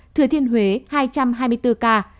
thừa thiên huế hai trăm hai mươi bốn ca